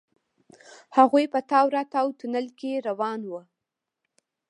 هغوئ په تاو راتاو تونل کې روان وو.